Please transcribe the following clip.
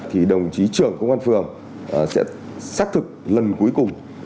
thì đồng chí trưởng công an phường sẽ xác thực lần cuối cùng